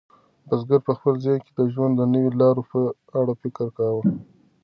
بزګر په خپل ذهن کې د ژوند د نویو لارو په اړه فکر کاوه.